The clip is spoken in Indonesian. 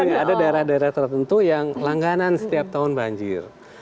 dengan ada daerah daerah tertentu yang langganan setiap tahun banjir